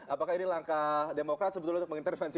apakah ini langkah demokrat sebetulnya untuk mengintervensi